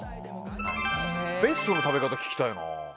ベストな食べ方聞きたいな。